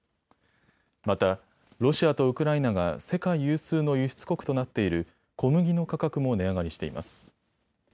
またロシアとウクライナが世界有数の輸出国となっている小麦の価格も値上がりしています。